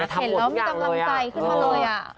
เห็นแล้วมีกำลังใจขึ้นมาเลย